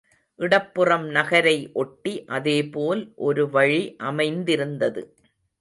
இடப் புறம் நகரை ஒட்டி அதேபோல் ஒரு வழி அமைந்திருந்தது.